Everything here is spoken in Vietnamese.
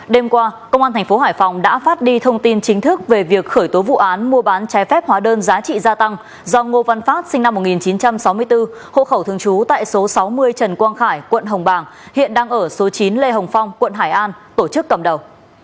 đêm qua công an tp hải phòng đã phát đi thông tin chính thức về việc khởi tố vụ án mua bán trái phép hóa đơn giá trị gia tăng do ngô văn phát sinh năm một nghìn chín trăm sáu mươi bốn hộ khẩu thường trú tại số sáu mươi trần quang khải quận hồng bàng hiện đang ở số chín lê hồng phong quận hải an tổ chức cầm đầu